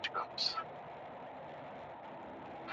kuingizwa kwa Jamhuri ya Kidemokrasi ya Kongo